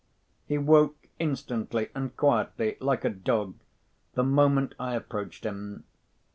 He woke, instantly and quietly, like a dog, the moment I approached him.